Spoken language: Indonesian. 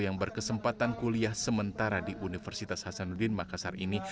yang berkesempatan kuliah sementara di universitas hasanuddin makassar ini